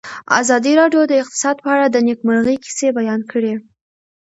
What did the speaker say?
ازادي راډیو د اقتصاد په اړه د نېکمرغۍ کیسې بیان کړې.